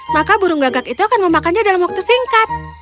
maka burung gagak itu akan memakannya dalam waktu singkat